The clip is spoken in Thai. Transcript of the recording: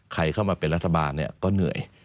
ใครเข้ามาเป็นรัฐบาลก็เหนื่อย